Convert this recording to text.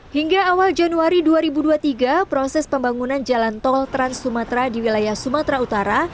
hingga awal januari dua ribu dua puluh tiga proses pembangunan jalan tol trans sumatra di wilayah sumatera utara